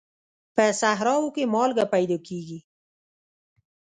په صحراوو کې مالګه پیدا کېږي.